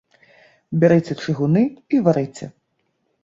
Бярыце чыгуны і варыце.